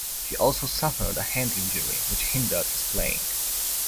He also suffered a hand injury which hindered his playing.